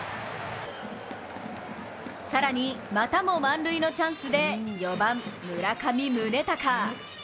更に、またも満塁のチャンスで４番・村上宗隆。